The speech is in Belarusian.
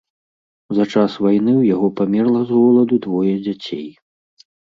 За час вайны ў яго памерла з голаду двое дзяцей.